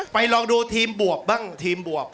ลองดูทีมบวบบ้างทีมบวบ